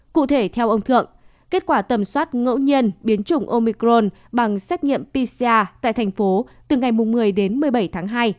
cụ thể theo ông thượng kết quả tầm soát ngẫu nhiên biến chủng omicron bằng xét nghiệm pcr tại thành phố từ ngày một mươi đến một mươi bảy tháng hai